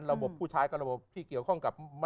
ผู้ชายก็ระบบที่เกี่ยวข้องกับ